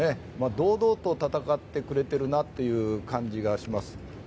堂々と戦ってくれてるなっていう感じがします。